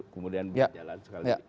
kemudian berjalan sekali